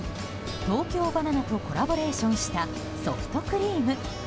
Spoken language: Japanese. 東京ばな奈とコラボレーションしたソフトクリーム。